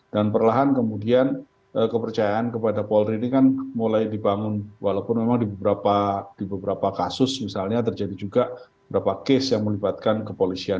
dan perlahan kemudian kepercayaan kepada polri ini kan mulai dibangun walaupun memang di beberapa kasus misalnya terjadi juga beberapa case yang melibatkan kepolisian